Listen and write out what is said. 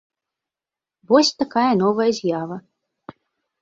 Вось такая новая з'ява.